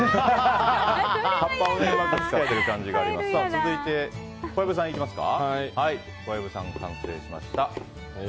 続いて、小籔さんいきますか。